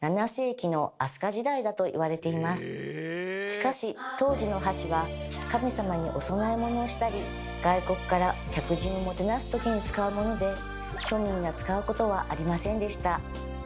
しかし当時の箸は神様にお供え物をしたり外国から客人をもてなす時に使うもので庶民が使うことはありませんでした。